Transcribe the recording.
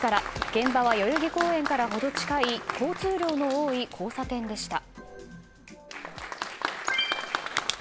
現場は、代々木公園から程近い交通量の多い交差点でした。